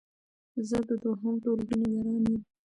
زه د دوهم ټولګی نګران يم